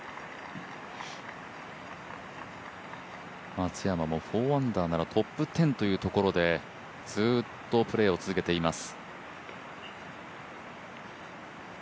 松山も４アンダーならトップ１０というところでずっとプレーを続けています。